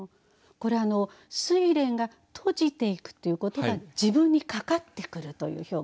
これ睡蓮が閉じていくっていうことが自分にかかってくるという表現なんですね。